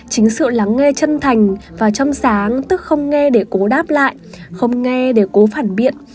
chính sự lắng nghe chân thành và trong sáng tức không nghe để cố đáp lại không nghe để cố phản biện